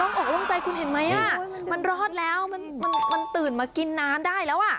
ลองออกลงใจคุณเห็นไหมมันรอดแล้วมันตื่นมากินน้ำได้แล้ว